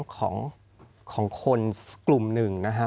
ของคนกลุ่มหนึ่งนะฮะ